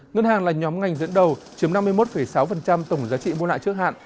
ngân hàng là nhóm ngành dẫn đầu chiếm năm mươi một sáu tổng giá trị mua lại trước hạn